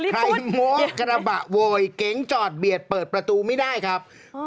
โม้กระบะโวยเก๋งจอดเบียดเปิดประตูไม่ได้ครับ